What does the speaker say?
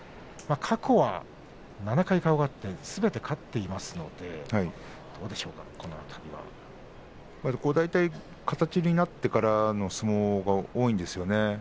過去は７回顔が合ってすべて勝っていますので大体、形になってからの相撲が多いんですよね。